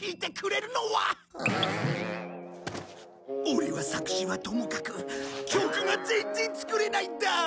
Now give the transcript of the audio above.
オレは作詞はともかく曲が全然作れないんだ！